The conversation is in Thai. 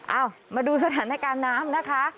เอ้ามาดูสถานการณ์น้ำนะคะ